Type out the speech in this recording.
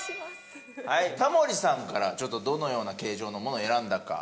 タモリさんからちょっとどのような形状のものを選んだか。